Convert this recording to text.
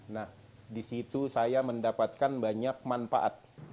nah disitu saya mendapatkan banyak manfaat